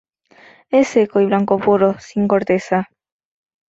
Es seco y blanco puro, sin corteza.